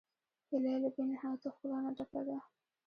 هیلۍ له بېنهایت ښکلا نه ډکه ده